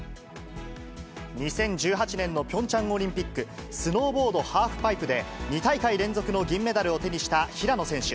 ２０１８年のピョンチャンオリンピック、スノーボードハーフパイプで２大会連続の銀メダルを手にした平野選手。